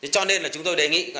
cho nên là chúng tôi đề nghị